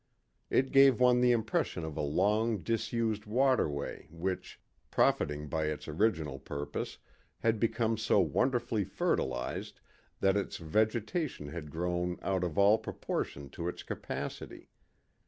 It gave one the impression of a long disused waterway which, profiting by its original purpose, had become so wonderfully fertilized that its vegetation had grown out of all proportion to its capacity.